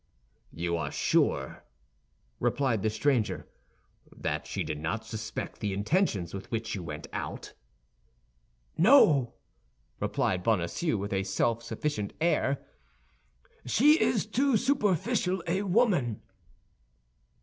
"You are sure," replied the stranger, "that she did not suspect the intentions with which you went out?" "No," replied Bonacieux, with a self sufficient air, "she is too superficial a woman."